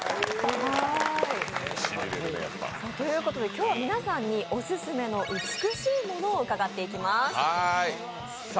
今日は皆さんにオススメの美しいものを伺っていきます。